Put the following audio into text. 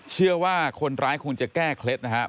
เชื่อว่าคนร้ายคงจะแก้เคล็ดนะครับ